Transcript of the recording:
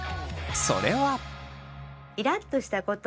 それは。